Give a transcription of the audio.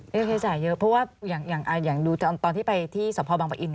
อย่างเขาใช้จ่ายเยอะเพราะว่าอย่างดูตอนที่ไปที่สมภองบางประอิน